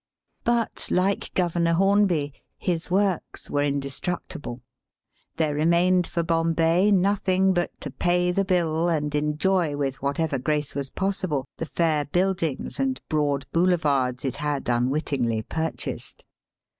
But, like Governor Hornby, his works were indestructible. There remained for Bombay nothing but to pay the bill and enjoy with whatever grace was possible the fair buildings and broad boulevards it had un wittingly purchased.